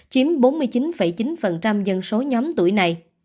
chiếm bốn mươi chín chín dân số nhóm tuổi này